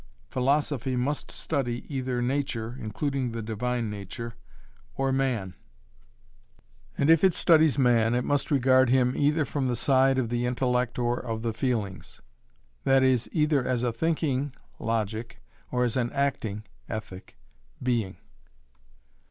Philosophy must study either nature (including the divine nature) or man; and, if it studies man, it must regard him either from the side of the intellect or of the feelings, that is either as a thinking (logic) or as an acting (ethic) being.